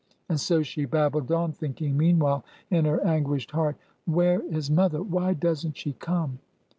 And so she babbled on, thinking meanwhile in her an guished heart, " Where is mother ? Why does n't she come